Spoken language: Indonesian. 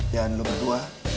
dan lo berdua